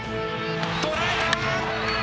捉えた！